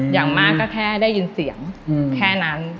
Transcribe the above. อย่างมากก็แค่ได้ยินเสียงแค่นั้น